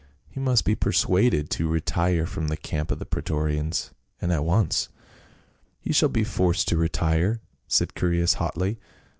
He must be persuaded to retire from the camp of the praetorians, and at once." " He shall be forced to retire," said Chaereas hotly.